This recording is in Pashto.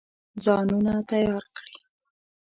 ځانونه تیار کړي.